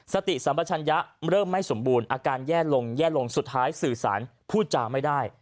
สติสัมปชัญญะเริ่มไม่สมบูรณ์อาการแย่ลงแย่ลงสุดท้ายสื่อสารพูดจาไม่ได้